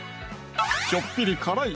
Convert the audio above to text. ちょっぴり辛い